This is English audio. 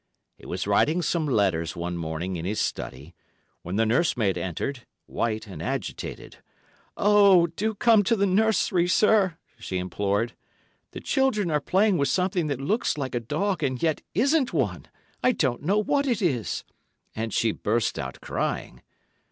He was writing some letters one morning in his study, when the nurse maid entered, white and agitated. "Oh, do come to the nursery, sir," she implored; "the children are playing with something that looks like a dog, and yet isn't one. I don't know what it is!" And she burst out crying.